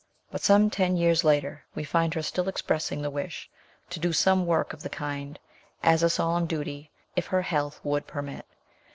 But some ten years later we find her still expressing the wish to do some work of the kind as a solemn duty if her health would permit.